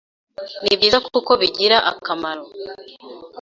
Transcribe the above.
ni byiza kuko bigira akamaro